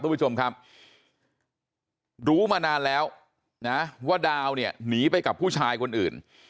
คุณผู้ชมครับรู้มานานแล้วนะว่าดาวเนี่ยหนีไปกับผู้ชายคนอื่น